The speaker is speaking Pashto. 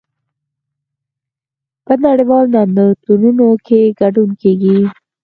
په نړیوالو نندارتونونو کې ګډون کیږي